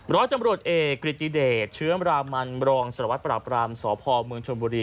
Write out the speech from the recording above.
ร้อยตำรวจเอกกฤติเดชเชื้อมรามันรองสารวัตรปราบรามสพเมืองชนบุรี